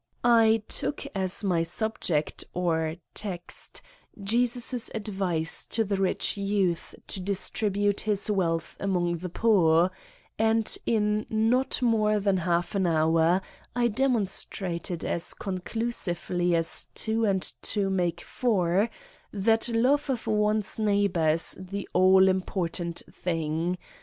I took as my subject or 53 Satan's Diary "text" Jesus' advice to the rich youth to dis tribute his wealth among the poor and in hot more than half an hour, I demonstrated as con clusively as 2 and 2 make 4, that love of one's neighbor is the all important thing.